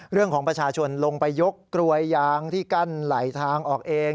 เรื่องของประชาชนลงไปยกกลวยยางที่กั้นไหลทางออกเอง